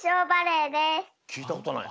きいたことない。